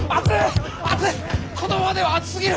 このままでは熱すぎる。